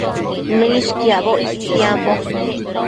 Nëishquiacboc istiambo